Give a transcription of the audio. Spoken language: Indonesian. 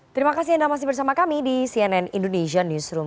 terima kasih anda masih bersama kami di cnn indonesia newsroom